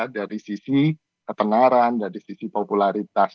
dari sisi ketenaran dari sisi popularitas